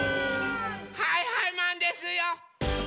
はいはいマンですよ！